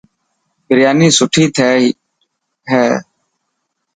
برياني سٺي تهئي هي.